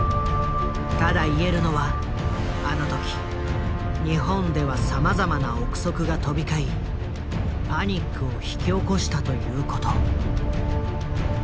ただ言えるのはあの時日本ではさまざまな臆測が飛び交いパニックを引き起こしたということ。